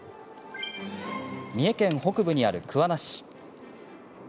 三重県の北部にある桑名市。